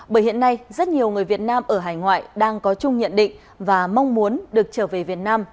bởi hiện nay rất nhiều người việt nam ở hải ngoại đang có chung nhận định và mong muốn được trở về việt nam